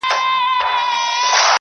ستا او ورور تر مابین ډېره فاصله ده,